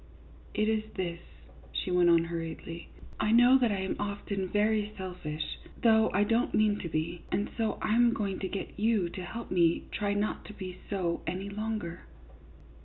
" It is this," she went on, hurriedly ;" I know that I am often very selfish, though I don't mean to be ; 58 CLYDE MOORFIELD, YACHTSMAN. and so I am going to get you to help me to try not to be so any longer.